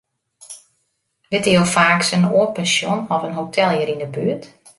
Witte jo faaks in oar pensjon of in hotel hjir yn 'e buert?